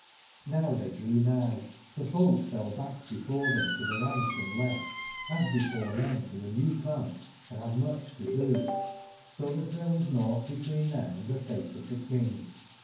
''JS[owtbeydrew nigb, for folk fell back before tbem to tbe rigbt and left, as before men wbo are new come and bave mucb to do; so tbat tbere was nougbt between tbem and tbe face of tbe King.